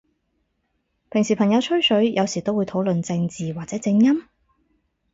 平時朋友吹水，有時都會討論正字或者正音？